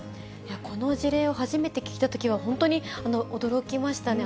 この事例を初めて聞いたときは本当に驚きましたね。